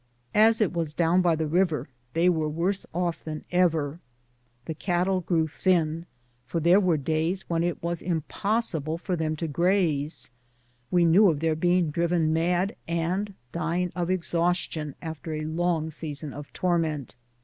As it was down by the river, they were worse off than ever. The cattle grew thin, for there were days when it was impossible for them to graze. We knew of their being driven mad and dying of exhaustion after a long season of torment.